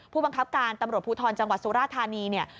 ผู้บังคับการตำรวจภูทรจังหวัดสุราธานีเนี่ย